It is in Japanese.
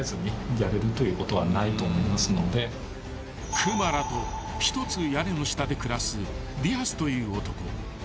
［クマラと一つ屋根の下で暮らすディアスという男］